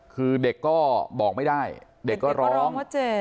คือเด็กก็บอกไม่ได้เด็กก็ร้อง